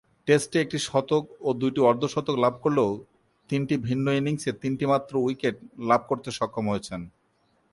টেস্টে একটি শতক ও দুইটি অর্ধ-শতক লাভ করলেও তিনটি ভিন্ন ইনিংসে তিনটিমাত্র উইকেট লাভ করতে সক্ষম হয়েছেন।